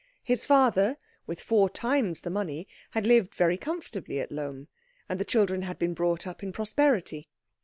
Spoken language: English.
His father, with four times the money, had lived very comfortably at Lohm, and the children had been brought up in prosperity.